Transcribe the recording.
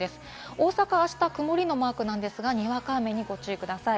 大阪は明日、くもりのマークですが、にわか雨にご注意ください。